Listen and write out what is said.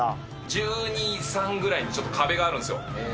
１２、３ぐらいに、ちょっと壁があるんですよ。